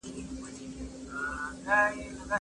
انلاین نړۍ د پښتو ادب لپاره نوي فرصتونه رامنځته کړي دي.